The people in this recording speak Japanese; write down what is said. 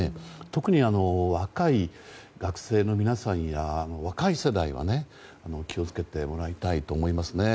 特に若い学生の皆さんや若い世代は気を付けてもらいたいと思いますね。